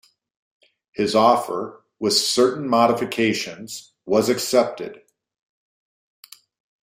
His offer, with certain modifications, was accepted.